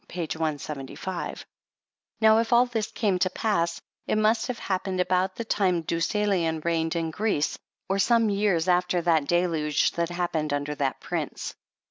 Page 175, " Now, if all this came to pass, it must have hap pened about the time Deucalion reigned in Greece, or some years after the deluge that happened under that prince."